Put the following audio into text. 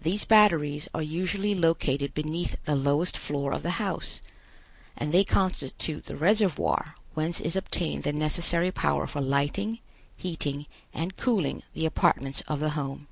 These batteries are usually located beneath the lowest floor of the house, and they constitute the reservoir whence is obtained the necessary power for lighting, heating and cooling the apartments of the home.